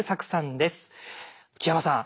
木山さん。